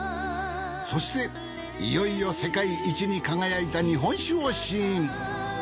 そしていよいよ世界一に輝いた日本酒を試飲。